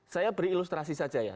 saya beri ilustrasi saja ya